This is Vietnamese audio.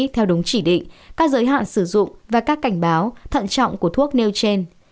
theo đúng chỉ định các giới hạn sử dụng và các cảnh báo thận trọng của thuốc nelgen